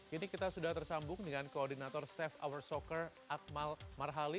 ini kita sudah tersambung dengan koordinator safe hour soccer akmal marhali